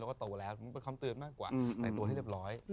เราโตแล้วคำตำ่วงมากกว่าใส่ตัวให้เรียบร้อย